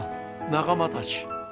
仲間たち！